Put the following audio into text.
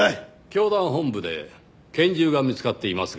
教団本部で拳銃が見つかっていますが。